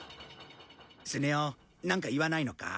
スネ夫なんか言わないのか？